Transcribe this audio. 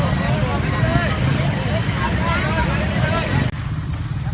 เข้าเกดลงที่สำหรับสวทธิภาพ